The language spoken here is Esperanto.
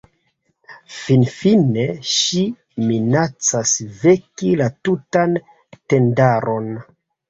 Finfine ŝi minacas veki la tutan tendaron.